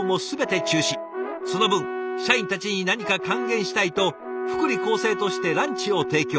その分社員たちに何か還元したいと福利厚生としてランチを提供。